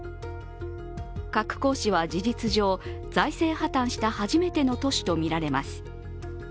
鶴崗市は事実上、財政破綻した初めての都市とみられます。